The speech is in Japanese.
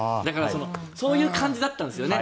そういう感じだったんです。